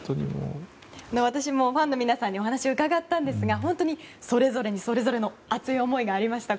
私も、ファンの皆さんにお話を伺ったんですがそれぞれに、それぞれの熱い思いがありました。